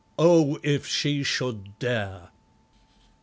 Oh, if she should dare!"